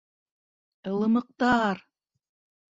— Ылымыҡтар!